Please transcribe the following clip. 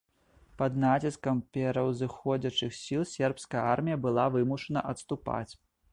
Пад націскам пераўзыходзячых сіл сербская армія была вымушана адступаць.